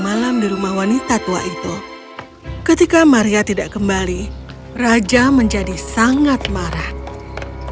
malam dirumah wanita tua itu ketika maria tidak kembali raja menjadi sangat marah ketika maria yang itu selalu se putri itu seperti budus warvow